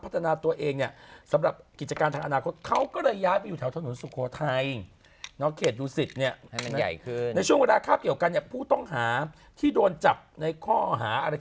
ทุกวันนี้เขายังไงรู้ไหมพี่